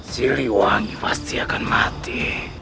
silih wangi pasti akan mati